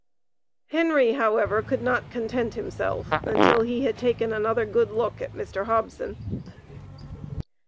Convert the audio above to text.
Henry, however, could not content himself until he had taken another good look at Mr. Hobson.